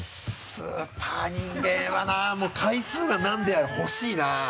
スーパー人間はなもう回数が何であれ欲しいな。